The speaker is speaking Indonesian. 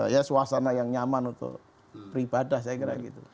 ya suasana yang nyaman untuk beribadah saya kira gitu